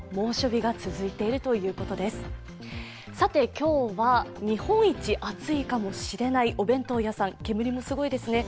今日は日本一暑いかもしれないお弁当屋さん、煙もすごいですね。